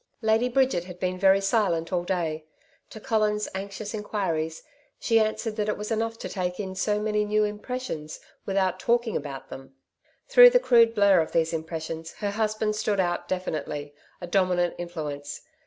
Lady Bridget had been very silent all day. To Colin's anxious enquiries she answered that it was enough to take in so many new impressions without talking about them. Through the crude blur of these impressions her husband stood out definitely, a dominant influence.